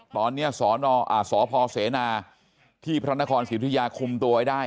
ตอนนี้สพเสนาที่พระนครศิริยาคุมตัวไว้ได้